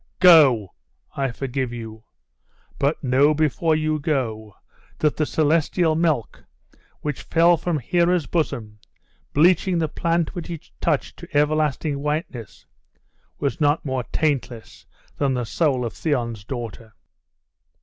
'Go I forgive you. But know before you go, that the celestial milk which fell from Here's bosom, bleaching the plant which it touched to everlasting whiteness, was not more taintless than the soul of Theon's daughter.